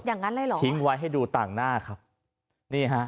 อย่างนั้นเลยเหรอทิ้งไว้ให้ดูต่างหน้าครับนี่ฮะ